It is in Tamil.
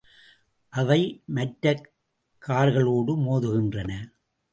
அவை மற்ற கார்களோடு மோதுகின்றன.